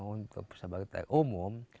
untuk sebagai umum